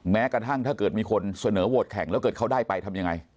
แม้กระทั่งถ้าเกิดมีคนเสนอโหวตแข่งแล้วเกิดเขาได้ไปทำยังไง